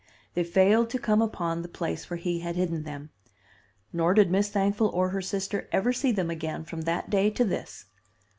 They failed to come upon the place where he had hidden them; nor did Miss Thankful or her sister ever see them again from that day to this."